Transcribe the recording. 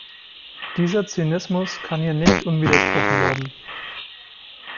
Dieser Zynismus kann hier nicht unwidersprochen bleiben.